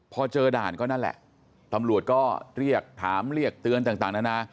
พอเจอด่านก็นั่นแหละตำรวจก็เรียกถามเรียกเตือนต่างนานา